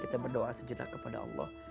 kita berdoa sejenak kepada allah